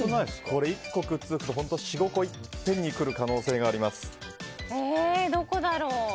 これ、１個くっつくと４５個いっぺんにどこだろう。